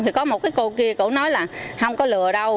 thì có một cô kia nói là không có lừa đâu